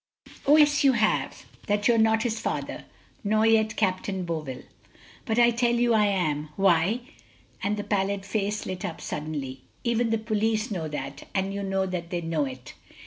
"Oh, yes, you have that you're not his father nor yet Captain Bovill." "But I tell you I am. Why " and the pallid face lit up suddenly "even the police know that, and you know that they know it!"